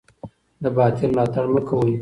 د باطل ملاتړ مه کوئ.